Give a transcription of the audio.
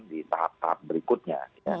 di tahap tahap berikutnya